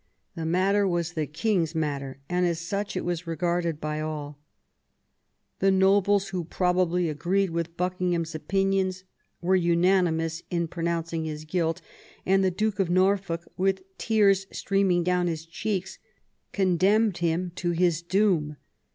The matter was the king's matter, and as such it was regarded by all. The nobles, who probably agreed with Buckingham's opinions, were unanimous in pro nouncing his guilt ; and the Duke of Norfolk, with tears streaming down his cheeks, condemned him to his doom.